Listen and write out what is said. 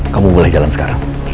kamu boleh jalan sekarang